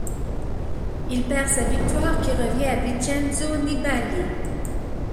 Il perd sa victoire qui revient à Vincenzo Nibali.